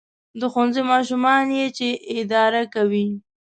• د ښوونځي ماشومان یې چې اداره کوي.